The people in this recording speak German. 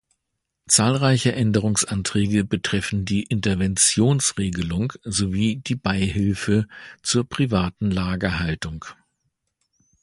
Zahlreiche Änderungsanträge betreffen die Interventionsregelung sowie die Beihilfe zur privaten Lagerhaltung.